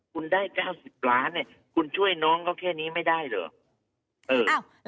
คุณได้๙๐ล้านเนี่ยคุณช่วยน้องเขาแค่นี้ไม่ได้เหรอ